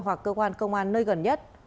hoặc cơ quan công an nơi gần nhất